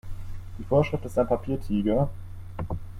Die Vorschrift ist ein Papiertiger.